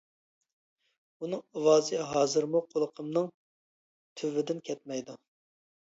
ئۇنىڭ ئاۋازى ھازىرمۇ قۇلىقىمنىڭ تۈۋىدىن كەتمەيدۇ.